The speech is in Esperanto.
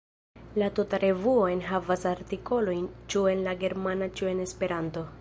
La tuta revuo enhavas artikolojn ĉu en la Germana ĉu en Esperanto.